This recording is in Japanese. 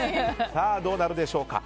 さあ、どうなるでしょうか。